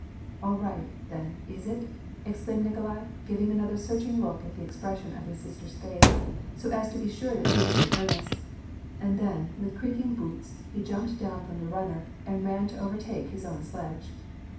" All right, then, is it ?" exclaimed Nikolai, giving another searching look at the expression of his sister's face, so as to be sure that she was in earnest ; and then, with creaking boots, he jumped down from the runner, and ran to overtake his own sledge.